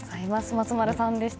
松丸さんでした。